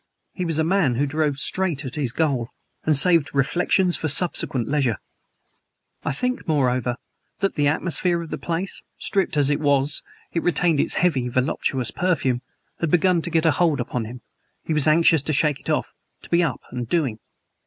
He was a man who drove straight at his goal and saved reflections for subsequent leisure. I think, moreover, that the atmosphere of the place (stripped as it was it retained its heavy, voluptuous perfume) had begun to get a hold upon him. He was anxious to shake it off; to be up and doing.